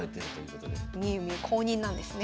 う公認なんですね。